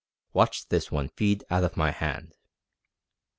Watch this one feed out of my hand!"